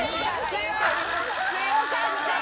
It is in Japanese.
強かった！